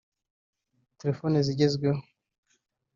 telefoni zigezweho